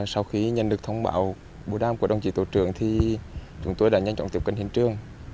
sau khi nhận được thông báo bố đàm của đồng chí tổ trưởng thì chúng tôi đã nhanh chóng tiếp cận hiện trường